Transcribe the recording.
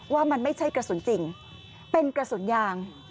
ว่ามันไม่ใช่กระสุนจริงเป็นกระสุนยาง